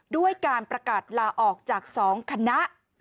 ด้วยการประกาศลาออกจาก๒คณะ